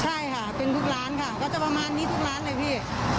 ใช่ค่ะเป็นทุกร้านค่ะก็จะประมาณนี้ทุกร้านเลยพี่